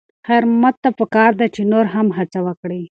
خیر محمد ته پکار ده چې نور هم هڅه وکړي.